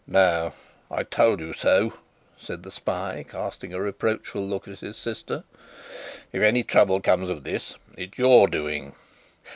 "Now, I told you so," said the spy, casting a reproachful look at his sister; "if any trouble comes of this, it's your doing."